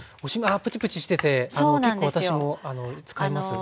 ぷちぷちしてて結構私も使います。